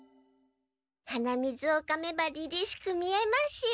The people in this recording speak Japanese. はなみずをかめばりりしく見えます。